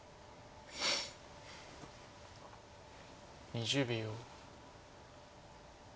２０秒。